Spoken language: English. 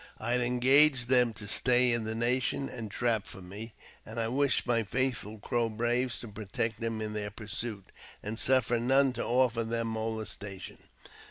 I had engaged them to stay in the nation and trap for me, and I wished my faithful Crow braves to protect them in their pursuit, and suffer none to offer them molestation.